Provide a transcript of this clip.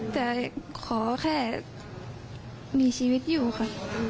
แต่ขอแค่มีชีวิตอยู่ค่ะ